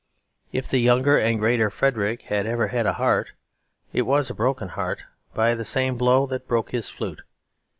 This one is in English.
If the younger and greater Frederick ever had a heart, it was a broken heart; broken by the same blow that broke his flute.